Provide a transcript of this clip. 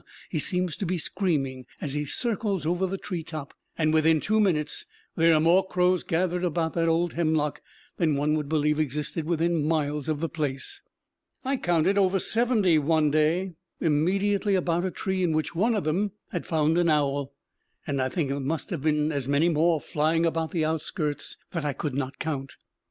_ he seems to be screaming as he circles over the tree top; and within two minutes there are more crows gathered about that old hemlock than one would believe existed within miles of the place. I counted over seventy one day, immediately about a tree in which one of them had found an owl; and I think there must have been as many more flying about the outskirts that I could not count.